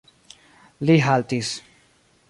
Li haltis.